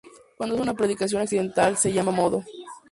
Cuando es una predicación accidental se llama Modo.